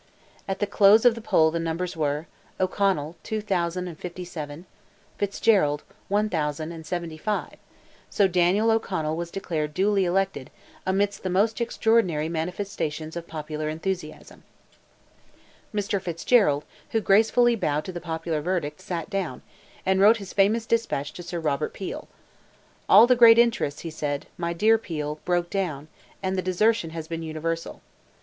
At the close of the poll the numbers were—O'Connell, 2,057; Fitzgerald, 1,075; so Daniel O'Connell was declared duly elected, amidst the most extraordinary manifestations of popular enthusiasm. Mr. Fitzgerald, who gracefully bowed to the popular verdict, sat down, and wrote his famous despatch to Sir Robert Peel: "All the great interests," he said, "my dear Peel, broke down, and the desertion has been universal.